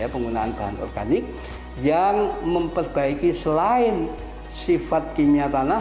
penggunaan bahan organik yang memperbaiki selain sifat kimia tanah